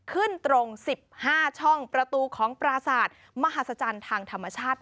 ขึ้นตรง๑๕ช่องประตูของปราศาสตร์มหาศจรรย์ทางธรรมชาติ